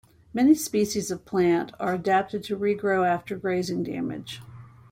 Many species of plant are adapted to regrow after grazing damage.